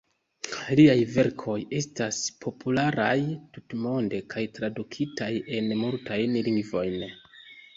Liaj verkoj estas popularaj tutmonde kaj tradukitaj en multajn lingvojn.